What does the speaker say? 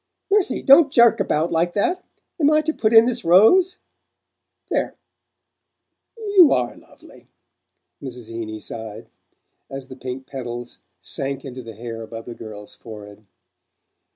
"Mercy! Don't jerk about like that. Am I to put in this rose? There you ARE lovely!" Mrs. Heeny sighed, as the pink petals sank into the hair above the girl's forehead.